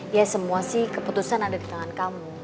ya semua sih keputusan ada di tangan kamu